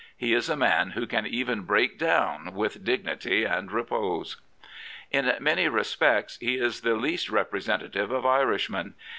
He is a man who can even break down with dignity and repose. In many respects he is the least representative of Irishmen.